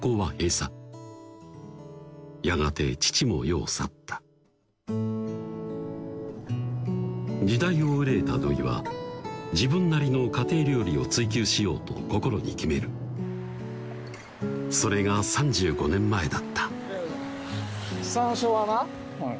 世を去った時代を憂えた土井は自分なりの家庭料理を追求しようと心に決めるそれが３５年前だった山椒はな